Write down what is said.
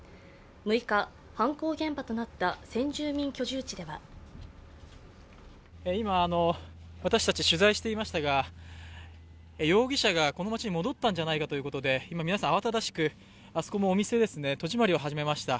６日、犯行現場となった先住民居住地では今、私たち取材していましたが、容疑者がこの町に戻ったんじゃないかということで皆さん慌ただしく、あそこもお店ですね、戸締まりを始めました。